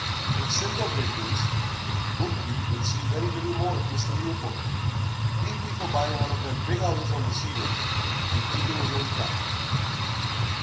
If Silver Braid wins, Woodview will see very little more of Mr. Leopold. He'll be for buying one of them big houses on the sea road and keeping his own trap."